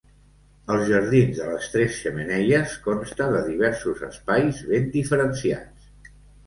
Els jardins de les Tres Xemeneies consta de diversos espais ben diferenciats.